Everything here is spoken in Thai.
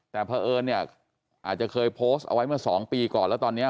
แต่เพราะเอิญเนี่ยอาจจะเคยโพสต์เอาไว้เมื่อ๒ปีก่อนแล้วตอนนี้